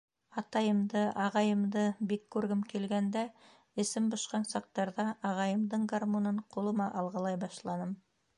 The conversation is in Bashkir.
Атайымды, ағайымды бик күргем килгәндә, эсем бошҡан саҡтарҙа, ағайымдың гармунын ҡулыма ал ғылай башланым.